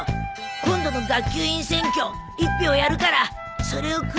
今度の学級委員選挙一票やるからそれをくれよ。